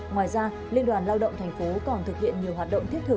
ngoài ra liên đoàn lao động tp hà nội còn thực hiện nhiều hoạt động